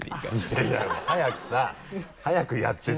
いやいや早くさ早くやってさ。